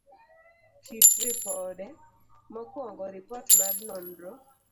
kit ripode. mokuongo, Ripot mar nonro